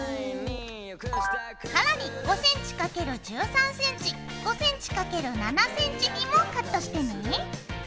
更に５ｃｍ×１３ｃｍ５ｃｍ×７ｃｍにもカットしてね。